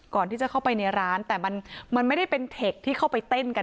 ก่อนที่จะเข้าไปในร้านแต่มันไม่ได้เป็นเทคที่เข้าไปเต้นกัน